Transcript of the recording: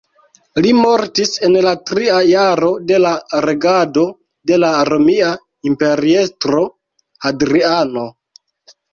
Li mortis en la tria jaro de la regado de la romia imperiestro Hadriano.